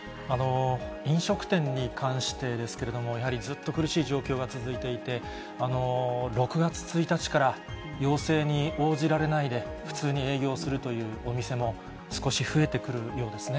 飲食店に関してですけれども、やはりずっと苦しい状況が続いていて、６月１日から要請に応じられないで、普通に営業するというお店も少し増えてくるようですね。